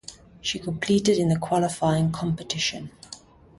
She competed in the qualifying competition.